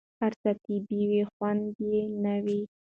هر څه طبیعي وي، خوندي نه وي.